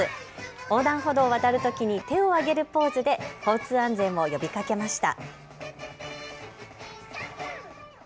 横断歩道を渡るときに手を上げるポーズで交通安全を呼びかけました。